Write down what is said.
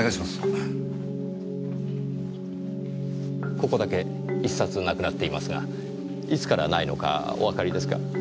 ここだけ１冊なくなっていますがいつからないのかおわかりですか？